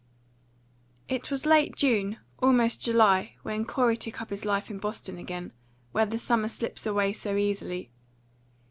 IT was late June, almost July, when Corey took up his life in Boston again, where the summer slips away so easily.